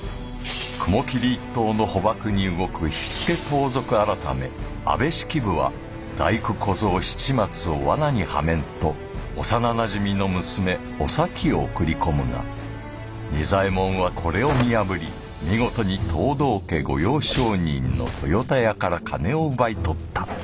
雲霧一党の捕縛に動く火付盗賊改安部式部は大工小僧七松を罠にはめんと幼なじみの娘おさきを送り込むが仁左衛門はこれを見破り見事に藤堂家御用商人の豊田屋から金を奪い取った。